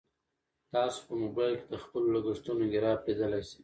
تاسو په موبایل کې د خپلو لګښتونو ګراف لیدلی شئ.